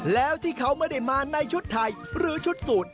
แล้วที่เขาไม่ได้มาในชุดไทยหรือชุดสูตร